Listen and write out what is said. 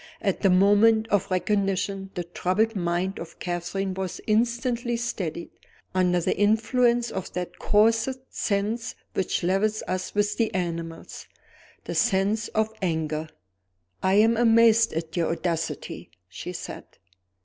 At the moment of recognition the troubled mind of Catherine was instantly steadied, under the influence of that coarsest sense which levels us with the animals the sense of anger. "I am amazed at your audacity," she said.